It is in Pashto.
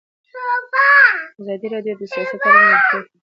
ازادي راډیو د سیاست اړوند مرکې کړي.